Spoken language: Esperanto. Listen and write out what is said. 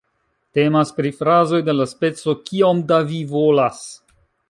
Temas pri frazoj de la speco "Kiom da vi volas?